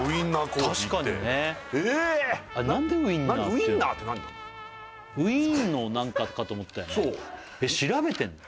すいませんウィーンの何かかと思ったよね